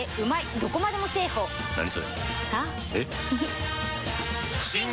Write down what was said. どこまでもだあ！